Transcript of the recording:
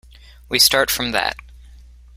We start from that.